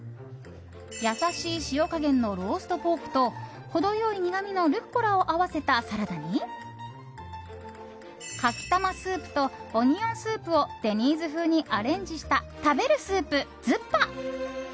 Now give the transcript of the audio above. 優しい塩加減のローストポークと程良い苦みのルッコラを合わせたサラダにかきたまスープとオニオンスープをデニーズ風にアレンジした食べるスープ、ズッパ。